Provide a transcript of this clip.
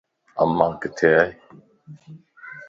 امان ڪٿي ائي